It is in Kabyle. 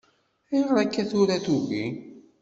Ayɣeṛ akka tura tugi.